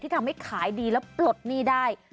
ทำให้ขายดีแล้วปลดหนี้ได้